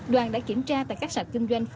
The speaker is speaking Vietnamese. đoàn đã kiểm tra tại các sạch dân dân